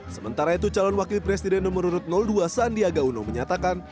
sementara itu calon wakil presiden nomor urut dua sandiaga uno menyatakan